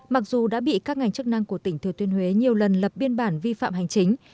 mặc dù đã bị các ngành chức năng của tỉnh thừa thiên huế nhiều lần lập biên bản vi phạm hành chính